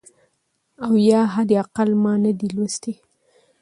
او یا حد اقل ما نه دی لوستی .